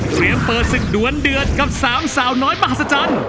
เตรียมเปิดศึกดวนเดือดกับสามสาวน้อยมหาศจรรย์